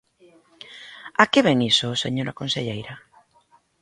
¿A que vén iso, señora conselleira?